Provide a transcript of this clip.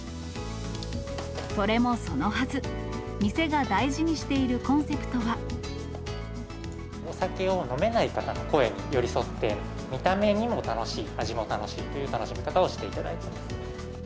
それもそのはず、お酒を飲めない方の声に寄り添って、見た目にも楽しい、味も楽しいという楽しみ方をしていただいています。